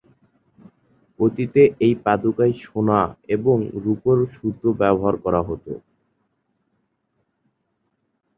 অতীতে এই পাদুকায় সোনা এবং রুপোর সুতো ব্যবহার করা হত।